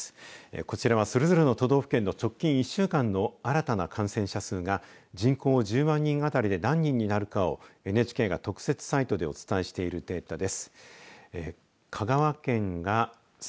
こちらはそれぞれの都道府県の直近１週間の新たな感染者数が人口１０万人当たりで何人になるかをＮＨＫが特設サイトでお伝えしているデータです。